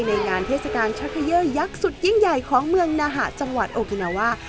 ในงานเทศกาลชักเกยอร์ยักษ์สุดยิ่งใหญ่ของเมืองนาหะจังหวัดโอกินาวา